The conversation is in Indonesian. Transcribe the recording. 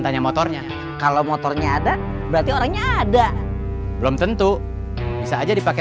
tanya motornya kalau motornya ada berarti orangnya ada belum tentu bisa aja dipakai